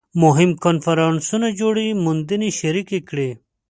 مهم کنفرانسونه جوړوي موندنې شریکې کړي